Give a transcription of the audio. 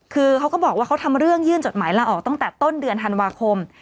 คือเขาก็บอกว่าเขาทำเรื่องยื่นจดหมายลาออกตั้งแต่ต้นเดือนธันวาคม